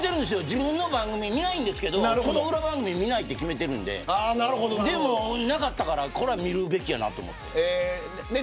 自分の番組、見ないんですけどその裏番組見ないと決めていてでも、なかったからこれは見るべきやなと思って。